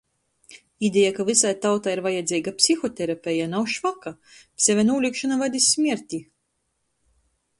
Ideja, ka vysai tautai ir vajadzeiga psihoterapeja, nav švaka. Seve nolīgšona vad iz smierti.